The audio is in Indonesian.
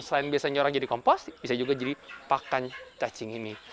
selain biasanya orang jadi kompos bisa juga jadi pakan cacing ini